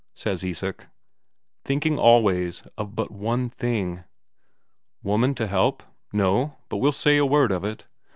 says Isak, thinking always of but one thing. "Woman to help? No. But we'll say a word of it."